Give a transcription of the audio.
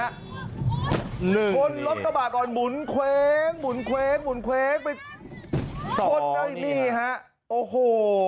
ชนรถกระบะก่อนหมุนเว้งหมุนเว้งหมุนเว้งไปชนได้นี่ฮะโอ้โห